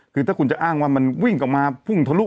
คือถ้าคุณจะอ้างว่ามันวิ่งออกมาพุ่งทะลุ